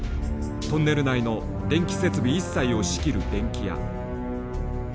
トンネル内の電気設備一切を仕切る電気屋。